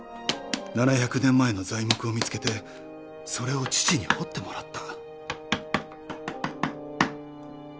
７００年前の材木を見つけてそれを父に彫ってもらった。